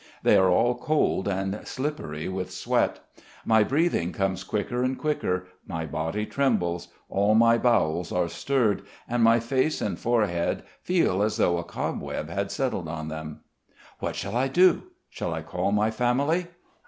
They are all cold and slippery with sweat. My breathing comes quicker and quicker; my body trembles, all my bowels are stirred, and my face and forehead feel as though a cobweb had settled on them. What shall I do? Shall I call my family?